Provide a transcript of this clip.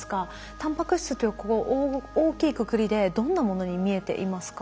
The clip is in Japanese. タンパク質という大きいくくりでどんなものに見えていますか？